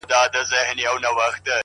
• دادی حالاتو سره جنگ کوم لگيا يمه زه ـ